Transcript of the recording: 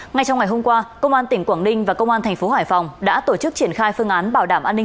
ngay trong ngày hôm qua công an tỉnh quảng ninh và công an thành phố hải phòng đã tổ chức triển khai phương án bảo đảm an ninh